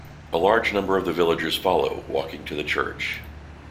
A large number of the villagers follow walking to the Church.